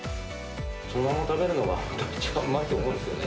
そのまま食べるのが、本当は一番うまいと思うんですよね。